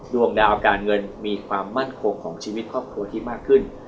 ดวงดาวการเงินมีความมั่นคงของชีวิตครอบครัวที่มากขึ้น